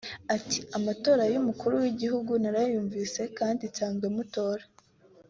Ati “Amatora y’Umukuru w’Igihugu narayumvise kandi nsanzwe mutora